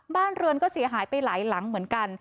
บ้านเรือนก็เสียหายไปหลายหลังเหมือนกัน